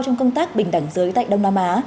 trong công tác bình đẳng giới tại đông nam á